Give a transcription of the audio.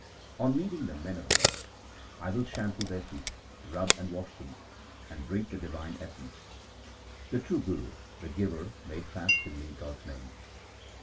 On meeting the men of God, I will shampoo their feet, rub and wash them, and drink the divine essence. The true Guru the giver made fast in me God's name.